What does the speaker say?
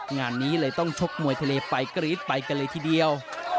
งานนี้เลยต้องชกมวยทะเลไปกรี๊ดไปกันเลยทีเดียว